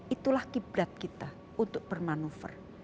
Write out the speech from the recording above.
itulah kiblat kita untuk bermanuver